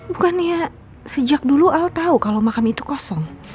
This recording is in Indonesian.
bukannya sejak dulu al tahu kalau makam itu kosong